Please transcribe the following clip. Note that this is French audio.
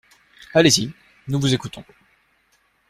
Allez-y. Nous vous écoutons.